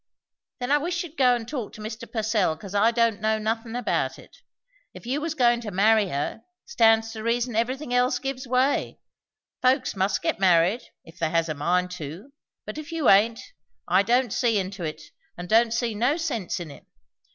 "Then I wish you'd go and talk to Mr. Purcell, 'cos I don' know nothin' about it. If you was goin' to marry her, stands to reason everything else gives way; folks must get married, if they has a mind to; but if you aint, I don't see into it, and don't see no sense in it.